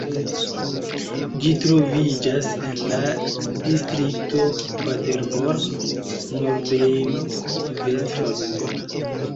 Ĝi troviĝas en la distrikto Paderborn, Nordrejn-Vestfalujo.